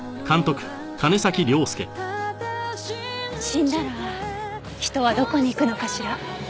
死んだら人はどこに行くのかしら？